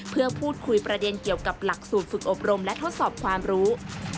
เพื่อพูดคุยประเด็นเกี่ยวกับหลักสูตรฝึกอบรมและทดสอบความรู้